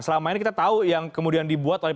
selama ini kita tahu yang kemudian dibuat oleh